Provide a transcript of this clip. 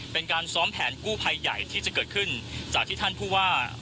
เป็นการซ้อมแผนกู้ภัยใหญ่ที่จะเกิดขึ้นจากที่ท่านผู้ว่า